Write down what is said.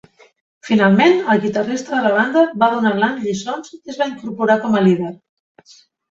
Finalment, el guitarrista de la banda va donar a Lang lliçons i es va incorporar com a líder.